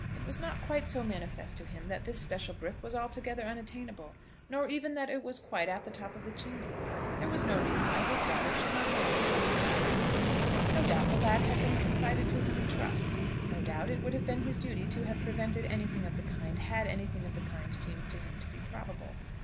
It was not quite so manifest to him that this special brick was altogether unattainable, nor even that it was quite at the top of the chimney. There was no reason why his daughter should not marry an earl's son and heir. No doubt the lad had been confided to him in trust. No doubt it would have been his duty to have prevented anything of the kind, had anything of the kind seemed to him to be probable.